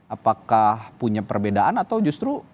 apakah punya perbedaan atau justru